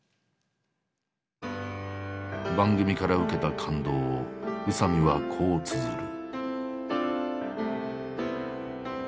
番組から受けた感動を宇佐見はこうつづる。